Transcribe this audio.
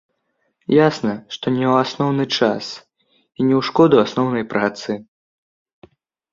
Ясна, што не ў асноўны час і не ў шкоду асноўнай працы.